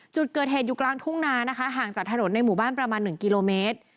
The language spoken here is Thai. จุดเกิดเหตุอยู่กลางทุ่งนานะคะห่างจากถนนในหมู่บ้านประมาณ๑กิโลเมตร